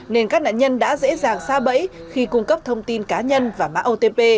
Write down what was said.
nên các nạn nhân đã dễ dàng xa bẫy khi cung cấp thông tin cá nhân và mã otp